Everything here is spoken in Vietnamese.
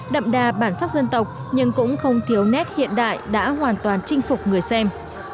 đậm đà bản sắc dân tộc nhưng cũng không thiếu nét hiện đại đã hoàn toàn chinh phục người xem